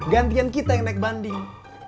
gantian kita yang naik banding